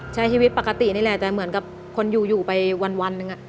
ใช้ชีวิตปกตินี่แหละแต่เหมือนกับคนอยู่อยู่ไปวันหนึ่ง